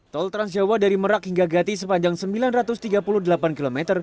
tol transjawa dari merak hingga gati sepanjang sembilan ratus tiga puluh delapan km